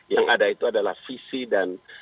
yang ada itu adalah visi dan